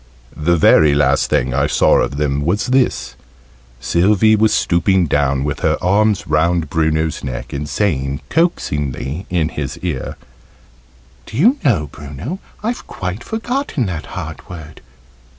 The very last thing I saw of them was this Sylvie was stooping down with her arms round Bruno's neck, and saying coaxingly in his ear, "Do you know, Bruno, I've quite forgotten that hard word.